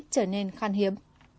trở nên khan hiếm